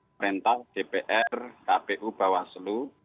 perintah dpr kpu bawah selu